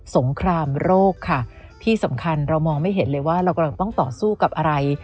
งครามโรคค่ะที่สำคัญเรามองไม่เห็นเลยว่าเรากำลังต้องต่อสู้กับอะไร